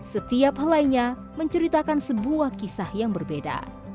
setiap hal lainnya menceritakan sebuah kisah yang berbeda